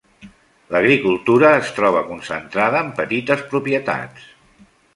L'agricultura es troba concentrada en petites propietats.